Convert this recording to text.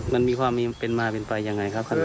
มันมีความเป็นมาเป็นไปยังไงครับพระครูพัฒนะ